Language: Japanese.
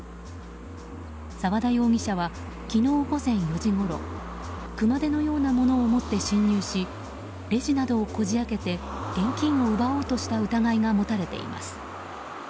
沢田容疑者は昨日午前４時ごろ熊手のようなものを持って侵入しレジなどをこじ開けて現金を奪おうとした疑いが持たれています。